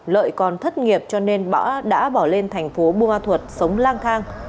lợi còn thất nghiệp cho nên đã bỏ lên thành phố buôn ma thuật sống lang thang